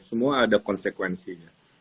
semua ada konsekuensinya